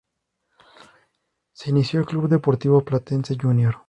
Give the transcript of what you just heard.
Se inició en el Club Deportivo Platense Junior.